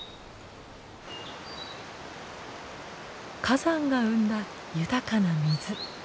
火山が生んだ豊かな水。